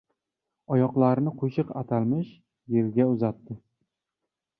Oyoqlarini qo‘shiq aytilmish yerga uzatdi.